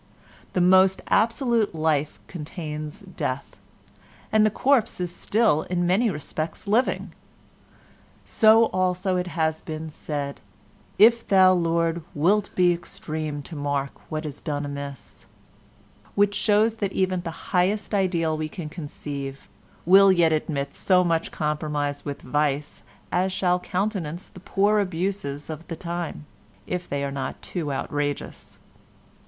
The most absolute life contains death, and the corpse is still in many respects living; so also it has been said, "If thou, Lord, wilt be extreme to mark what is done amiss," which shows that even the highest ideal we can conceive will yet admit so much compromise with vice as shall countenance the poor abuses of the time, if they are not too outrageous.